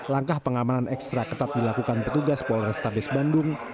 langkah pengamanan ekstra ketat dilakukan petugas polrestabes bandung